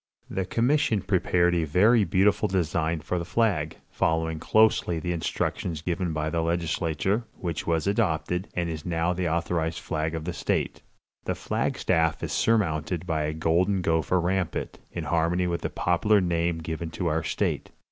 '" The commission prepared a very beautiful design for the flag, following closely the instructions given by the legislature, which was adopted, and is now the authorized flag of the state. The flag staff is surmounted by a golden gopher rampant, in harmony with the popular name given to our state.